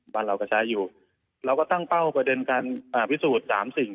บ้านเราก็ใช้อยู่เราก็ตั้งเป้าประเด็นการพิสูจน์สามสิ่ง